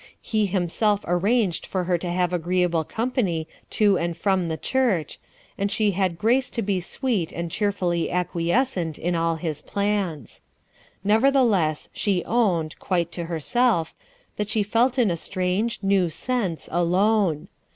He himself arranged for her to have agreeable company to and from the church, and she had grace to be sweet and cheerfully acquiescent in all hi 5 plans. Never theless she owned, quite to herself, that she felt in a strange, new sense alone.